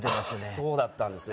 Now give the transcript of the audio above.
そうだったんですね